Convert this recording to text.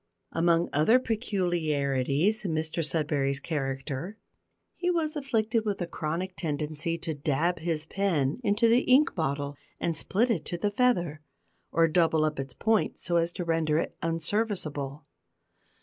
Among other peculiarities in Mr Sudberry's character, he was afflicted with a chronic tendency to dab his pen into the ink bottle and split it to the feather, or double up its point so as to render it unserviceable.